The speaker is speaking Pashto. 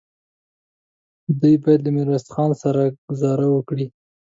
دی بايد له ميرويس خان سره ګذاره وکړي.